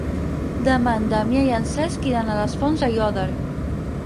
Demà en Damià i en Cesc iran a les Fonts d'Aiòder.